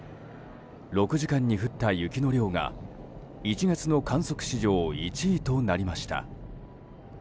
６時間に降った雪の量が１月の観測史上１位となりました。